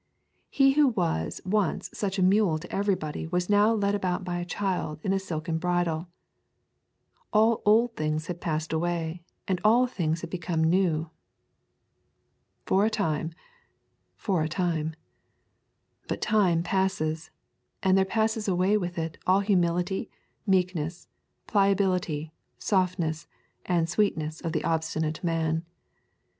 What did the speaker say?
He who was once such a mule to everybody was now led about by a child in a silken bridle. All old things had passed away, and all things had become new. For a time; for a time. But time passes, and there passes away with it all the humility, meekness, pliability, softness, and sweetness of the obstinate man.